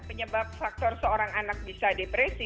penyebab faktor seorang anak bisa depresi